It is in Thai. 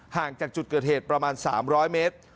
ห่างจากจุดเกิดเหตุประมาณ๓๐๐เมตร